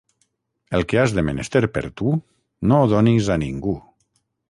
El que has de menester per tu, no ho donis a ningú.